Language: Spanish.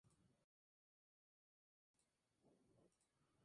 Connolly es hijo de inmigrantes irlandeses de las islas de Aran.